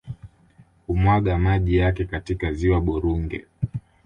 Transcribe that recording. Humwaga maji yake katika ziwa Burunge